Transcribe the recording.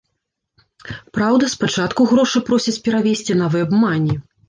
Праўда, спачатку грошы просяць перавесці на вэбмані.